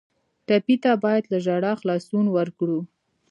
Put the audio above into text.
ټپي ته باید له ژړا خلاصون ورکړو.